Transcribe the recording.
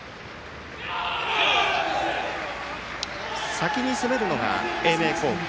先に攻めるのが英明高校。